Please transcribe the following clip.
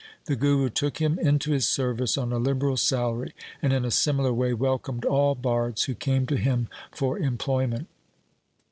The Guru took him into his service on a liberal salary, and in a similar way welcomed all bards who came to him for employment.